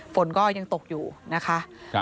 ฝนก็ยังตกอยู่นะคะ